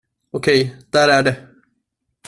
Okej, där är det.